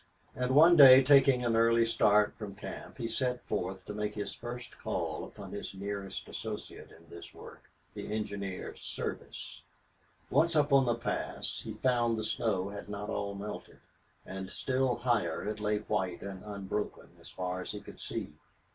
And one day, taking an early start from camp, he set forth to make his first call upon his nearest associate in this work, the engineer Service. Once high up on the pass he found the snow had not all melted, and still higher it lay white and unbroken as far as he could see.